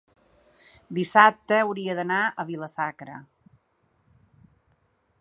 dissabte hauria d'anar a Vila-sacra.